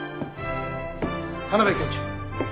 田邊教授。